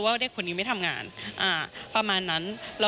อ่าเดี๋ยวฟองดูนะครับไม่เคยพูดนะครับ